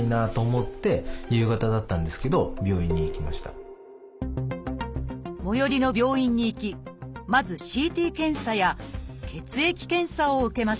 これじゃ最寄りの病院に行きまずＣＴ検査や血液検査を受けました